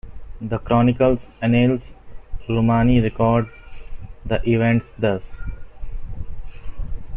The chronicles Annales Romani record the events thus...